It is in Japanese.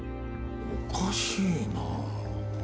おかしいな。